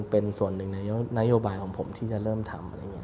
เป็นส่วนหนึ่งในนโยบายของผมที่จะเริ่มทำ